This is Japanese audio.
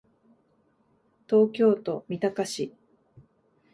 東京都三鷹市